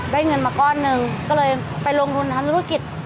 เงินมาก้อนหนึ่งก็เลยไปลงทุนทำธุรกิจ